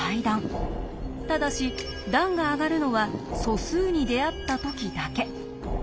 ただし段が上がるのは素数に出会った時だけ。